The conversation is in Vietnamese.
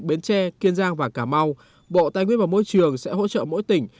bến tre kiên giang và cà mau bộ tài nguyên và môi trường sẽ hỗ trợ mỗi tỉnh